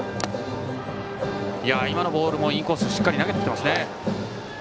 今のボールもインコースにしっかり投げてきていますね。